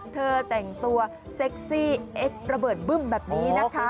เธอแต่งตัวเซ็กซี่เอ็กซ์ระเบิดบึ้มแบบนี้นะคะ